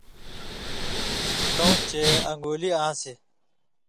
کؤں چےۡ ان٘گُولی آن٘سیۡ؛